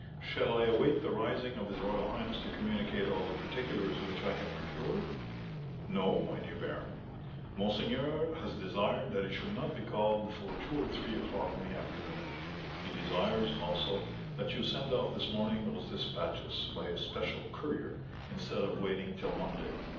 Shall I await the rising of his royal highness to communicate all the particulars which I have procured?" "No, my dear baron. Monseigneur has desired that he should not be called before two or three o'clock in the afternoon; he desires, also, that you send off this morning these despatches by a special courier, instead of waiting till Monday.